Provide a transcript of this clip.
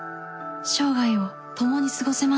生涯を共に過ごせます